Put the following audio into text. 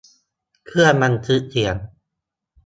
เครื่องบันทึกเสียง